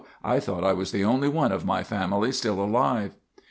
I thought I was the only one of my family still alive."